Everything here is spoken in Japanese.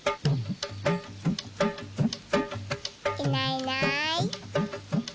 いないいない。